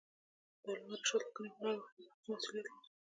د علامه رشاد لیکنی هنر مهم دی ځکه چې مسئولیت لري.